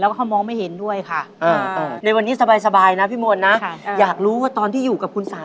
ไม่จริงไม่จริงไม่จริงพี่พี่แล้วแล้วลูกอยู่ที่ไหนอ่ะ